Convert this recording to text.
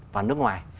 vào nước ngoài